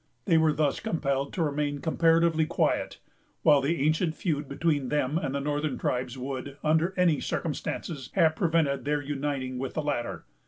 They were thus compelled to remain comparatively quiet; while the ancient feud between them and the northern tribes would, under any circumstances, have prevented their uniting with the latter.